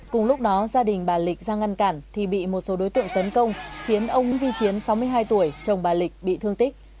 cùng lúc đó gia đình bà lịch ra ngăn cản thì bị một số đối tượng tấn công khiến ông vi chiến sáu mươi hai tuổi chồng bà lịch bị thương tích